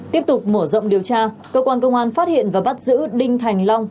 tiếp tục mở rộng điều tra cơ quan công an phát hiện và bắt giữ đinh thành long